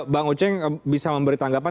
bang oceng bisa memberi tanggapan